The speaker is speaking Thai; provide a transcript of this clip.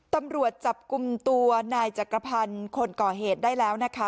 ตำรวจจับกลุ่มตัวนายจักรพันธ์คนก่อเหตุได้แล้วนะคะ